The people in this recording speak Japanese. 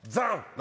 何？